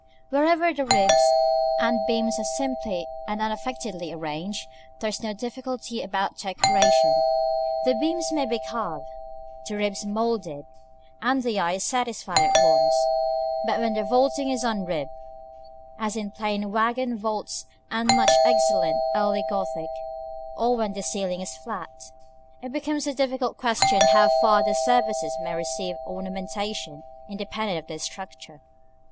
Wherever the ribs and beams are simply and unaffectedly arranged, there is no difficulty about decoration; the beams may be carved, the ribs moulded, and the eye is satisfied at once; but when the vaulting is unribbed, as in plain waggon vaults and much excellent early Gothic, or when the ceiling is flat, it becomes a difficult question how far their services may receive ornamentation independent of their structure.